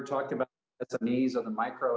tentang sme atau sme mikro